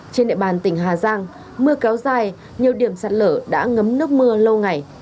trên địa bàn tỉnh hà giang mưa kéo dài nhiều điểm sạt lở đã ngấm nước mưa lâu ngày